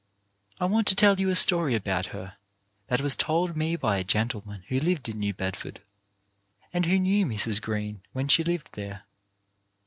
I want to tell you a story about her that was told me by a gentleman who lived in New Bedford, and who knew Mrs. Green when she lived there.